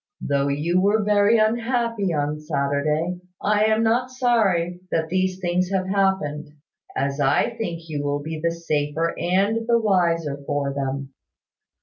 Though you were very unhappy on Saturday, I am not sorry that these things have happened, as I think you will be the safer and the wiser for them.